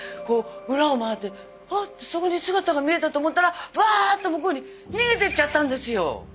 こう裏を回ってパッてそこに姿が見えたと思ったらブワーっと向こうに逃げてっちゃったんですよ。